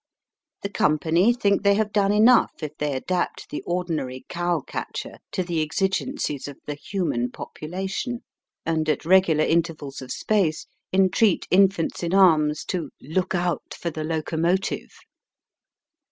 The company think they have done enough if they adapt the ordinary cow catcher to the exigencies of the human population, and at regular in tervals of space, entreat infants in arms to " Look out for the Locomotive.